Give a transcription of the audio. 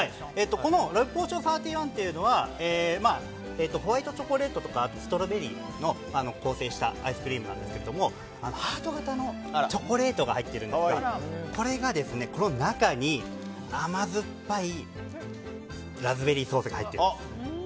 ラブポーションサーティワンはホワイトチョコレートとかストロベリーで構成したアイスクリームなんですけど中にハート形のチョコレートが入ってるんですがこの中に甘酸っぱいラズベリーソースが入っています。